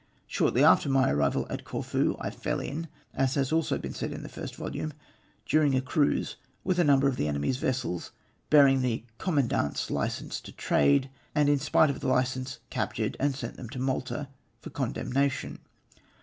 Shortly after my arrival at Corfu, I fell in — as has also been said in the first volume — during a cruise with a number of enemy's vessels hearing the commandant's license to trade ! and in spite of the hcense captured and sent them to Malta for condemnation.